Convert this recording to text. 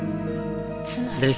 つまり。